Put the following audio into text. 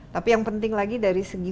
tapi yang penting lagi dari segi